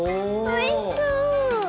おいしそう！